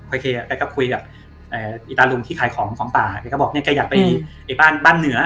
เคแกก็คุยกับอีตาลุงที่ขายของของป่าแกก็บอกเนี่ยแกอยากไปไอ้บ้านบ้านเหนือ